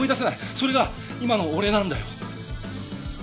それが今の俺なんだよ。